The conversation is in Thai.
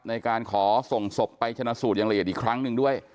ในการขอส่งศพไปชะนศูนย์หลีดอีกครั้งนึงด้วย